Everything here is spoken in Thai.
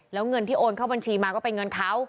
แล้วเงินที่โอนเข้าบัญชีมาก็เป็นเงินเขา